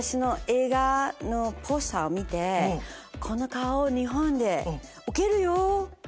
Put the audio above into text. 「この顔日本でウケるよ」。